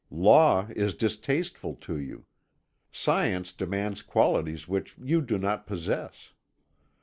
Law is distasteful to you. Science demands qualities which you do not possess.